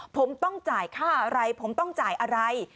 ผมต้องจ่ายค่าอะไรผมต้องจ่ายอะไร